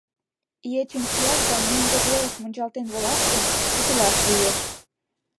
Ечым чияш да мӧҥгӧ велыш мунчалтен волаш гын, утлаш лиеш.